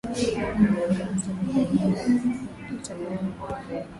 namna ambavyo serikali itakayoundwa